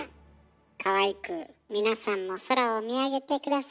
かわいく「皆さんも空を見上げて下さいね」。